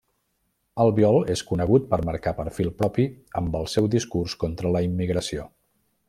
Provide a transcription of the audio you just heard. Albiol és conegut per marcar perfil propi amb el seu discurs contra la immigració.